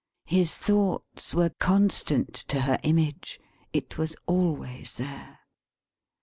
His thoughts were constant to her Image. It was always there.